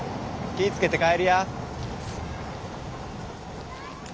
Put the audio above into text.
気ぃ付けて帰りや。